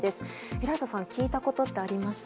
エライザさん聞いたことってありました？